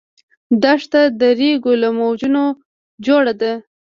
دښته د ریګو له موجونو جوړه ده.